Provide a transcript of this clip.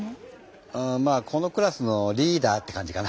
うまあこのクラスのリーダーって感じかな。